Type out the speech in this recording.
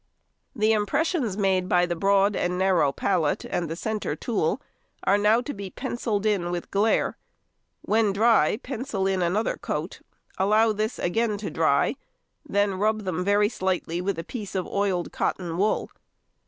The impressions made by the broad and narrow pallet and the centre tool are now to be pencilled in with glaire; when dry, pencil in another coat; allow this again to dry, then rub them very slightly with a piece of oiled cotton wool.